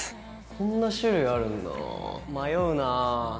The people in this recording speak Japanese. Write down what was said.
こんな種類あるんだな迷うな。